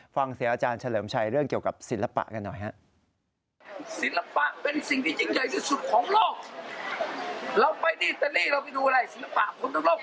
ฟังเสียงอาจารย์เฉลิมชัยเรื่องเกี่ยวกับศิลปะกันหน่อยฮะ